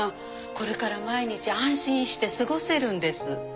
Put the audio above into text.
これから毎日安心して過ごせるんです